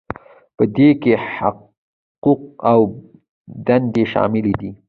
په دې کې حقوق او دندې شاملې دي.